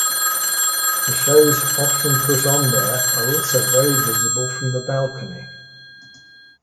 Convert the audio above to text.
The shows often put on there are also very visible from the balcony.